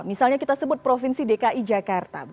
misalnya kita sebut provinsi dki jakarta